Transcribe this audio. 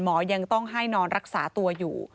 ยังต้องให้นอนรักษาตัวอยู่